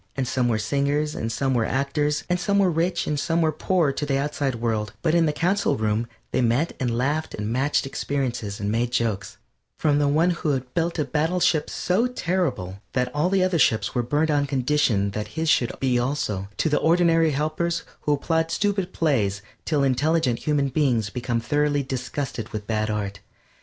And some were singers and some were actors, and some were rich and some were poor to the outside world, but in the Council Room they met and laughed and matched experiences and made jokes; from the one who had built a battle ship so terrible that all the other ships were burnt on condition that his should be also, to the ordinary helpers who applaud stupid plays till intelligent human beings become thoroughly disgusted with bad art.